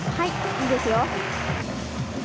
いいですよ。